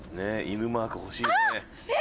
犬マーク欲しいね」